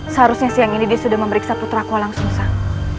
seharusnya siang ini dia sudah memeriksa putraku langsung sang